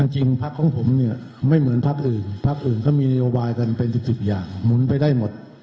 พักของผมเนี่ยไม่เหมือนพักอื่นพักอื่นก็มีนโยบายกันเป็น๑๐อย่างหมุนไปได้หมด